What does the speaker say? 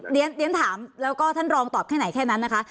เรียนถามแล้วก็ท่านรองตอบแค่ไหนแค่นั้นนะคะ